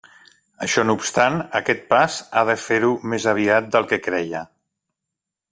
Això no obstant, aquest pas ha de fer-ho més aviat del que creia.